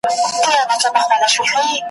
په کوچنيوالي کي د پلار له سايې څخه محروم سوم